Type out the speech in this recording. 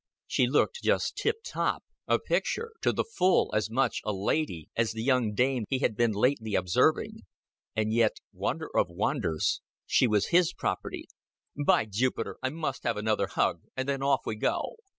She just looked tip top a picture to the full as much a lady as the young dames he had been lately observing; and yet, wonder of wonders, she was his property. "By Jupiter, I must have another hug and then off we go."